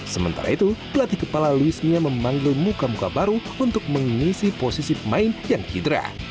sementara itu pelatih kepala louis mia memanggil muka muka baru untuk mengisi posisi pemain yang hidra